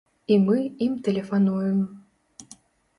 І мы ім тэлефануем.